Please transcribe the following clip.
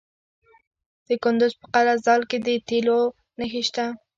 د کندز په قلعه ذال کې د تیلو نښې شته.